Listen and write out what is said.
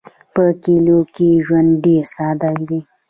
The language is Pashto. په کلیو کې ژوند ډېر ساده دی.